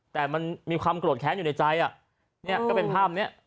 แต่มันมีความโกรธแค้นอยู่ในใจอ่ะเนี่ยก็เป็นภาพเนี้ย